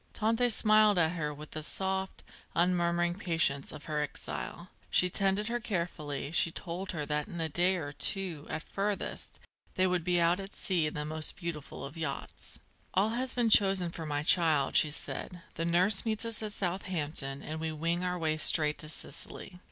Tante smiled at her with the soft, unmurmuring patience of her exile, she tended her carefully, she told her that in a day or two, at furthest, they would be out at sea in the most beautiful of yachts. "All has been chosen for my child," she said. "The nurse meets us at Southampton and we wing our way straight to Sicily."